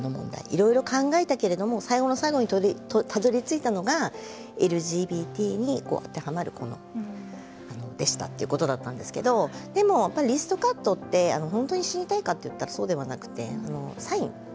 いろいろ考えたけれども最後の最後にたどりついたのがＬＧＢＴに当てはまる子のでしたっていうことだったんですけどでもリストカットって本当に死にたいかっていったらそうではなくてサイン。